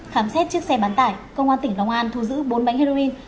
khám xét chiếc xe bán tải công an tỉnh long an thu giữ bốn bánh heroin